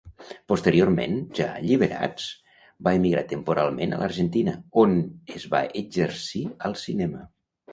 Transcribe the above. Posteriorment, ja alliberats, va emigrar temporalment a l'Argentina, on es va exercir al cinema.